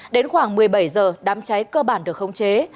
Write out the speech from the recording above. đến khoảng một mươi bảy giờ đám cháy cơ bản được không chế